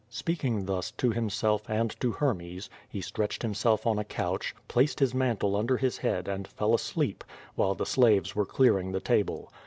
^^ Speaking thus to himself and to Hermes, he stretched him self on a couch, placed his mantle under his head and fell asleep, while the slaves were clearing the table.